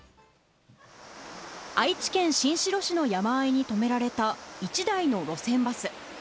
愛知県新城市の山あいに止められた、１台の路線バス。